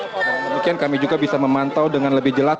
maka mungkin kami juga bisa memantau dengan lebih jelat